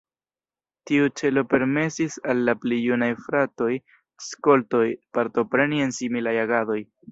Tiu celo permesis al la pli junaj fratoj de skoltoj partopreni en similaj agadoj.